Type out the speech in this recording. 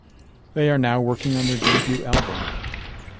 They are now working on their debut album.